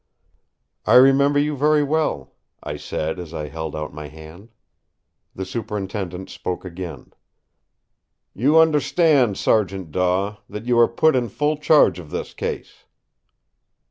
"I remember you very well," I said as I held out my hand. The Superintendent spoke again: "You understand, Sergeant Daw, that you are put in full charge of this case."